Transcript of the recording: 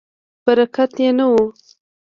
برکت یې نه و.